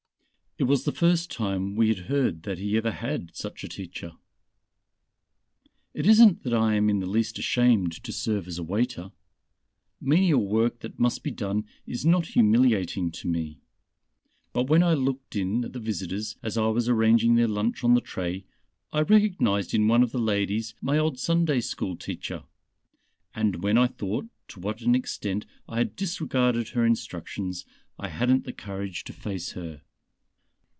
It was the first time we had heard that he ever had such a teacher. "It isn't that I am in the least ashamed to serve as a waiter. Menial work that must be done is not humiliating to me. But when I looked in at the visitors as I was arranging their lunch on the tray I recognized in one of the ladies my old Sunday school teacher and when I thought to what an extent I had disregarded her instructions I hadn't the courage to face her....